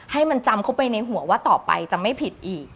ให้มันจำเข้าไปในหัวว่าต่อไปจะไม่ผิดอีก